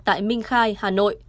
tại minh khai hà nội